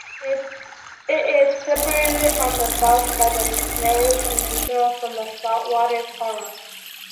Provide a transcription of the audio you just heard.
It is separated on the south by the Narrung Peninsula from the salt-water Coorong.